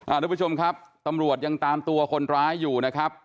ทุกผู้ชมครับตำรวจยังตามตัวคนร้ายอยู่นะครับ